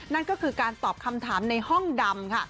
นั่นก็คือการตอบคำถามในห้องดำค่ะ